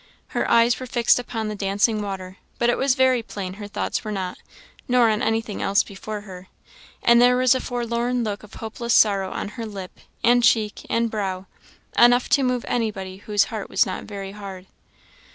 Her eyes were fixed upon the dancing water, but it was very plain her thoughts were not, nor on anything else before her; and there was a forlorn look of hopeless sorrow on her lip, and cheek, and brow, enough to move anybody whose heart was not very hard.